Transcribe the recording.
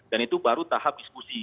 dan itu baru tahap diskusi